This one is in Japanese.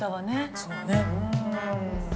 そうね。